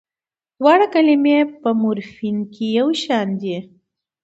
دواړه کلمې په مورفیم کې یوشان دي.